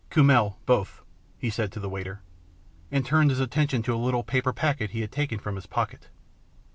" Kummel both," he said to the waiter, and turned his attention to a little paper packet he had taken from his pocket.